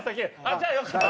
じゃあよかった。